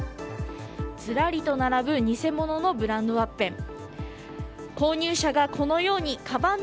ずらりと並ぶ偽物のブランドワッペン。